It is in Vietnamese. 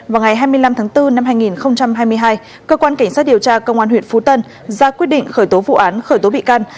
vào ngày hai mươi năm tháng bốn năm hai nghìn hai mươi hai cơ quan cảnh sát điều tra công an huyện phú tân ra quyết định khởi tố vụ án khởi tố bị can